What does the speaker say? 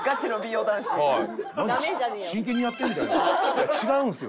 「いや違うんですよ。